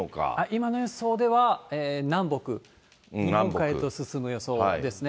今の予想では、南北、日本海へと進む予想ですね。